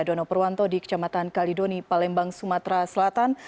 dono purwanto di kecamatan kalidoni palembang sumatera selatan